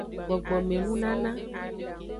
Gbogbome nunana.